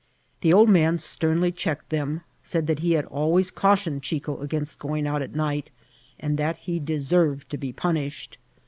The old man sternly checked them, said that he had always cautioned Chico against going out at night, and that he deserved to be punished.